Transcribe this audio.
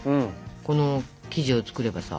この生地を作ればさ。